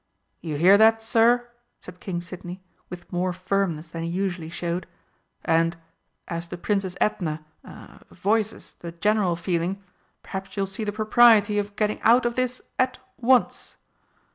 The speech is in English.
"You hear that, sir?" said King Sidney, with more firmness than he usually showed. "And, as the Princess Edna er voices the general feeling, perhaps you'll see the propriety of getting out of this at once?"